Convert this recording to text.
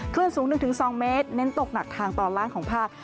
คลื่นสูง๑๒เมตรเน้นตกหนักทางตอนล่างของภาค